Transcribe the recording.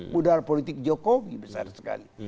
modal politik jokowi besar sekali